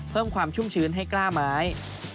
เพิ่มความชุ่มชื้นให้กล้าไม้